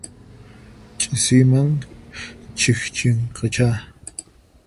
Ch'isiman chikchinqachá.